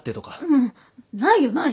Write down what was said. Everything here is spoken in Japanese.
うんないよない。